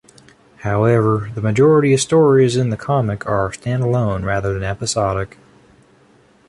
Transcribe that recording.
However, the majority of stories in the comic are standalone rather than episodic.